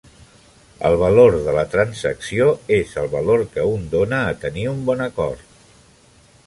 "El valor de la transacció" és el valor que un dona a tenir un bon acord.